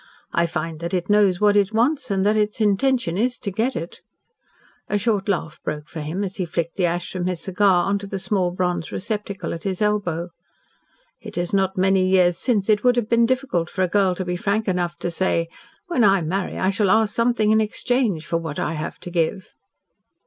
I find that it knows what it wants and that its intention is to get it." A short laugh broke from him as he flicked the ash from his cigar on to the small bronze receptacle at his elbow. "It is not many years since it would have been difficult for a girl to be frank enough to say, 'When I marry I shall ask something in exchange for what I have to give.'"